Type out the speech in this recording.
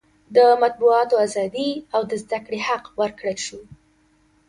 د مطبوعاتو ازادي او د زده کړې حق ورکړل شو.